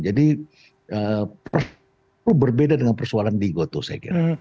jadi berbeda dengan persoalan di gotoh saya kira